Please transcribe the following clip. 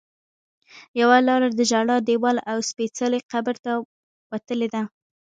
یوه لاره د ژړا دیوال او سپېڅلي قبر ته وتلې ده.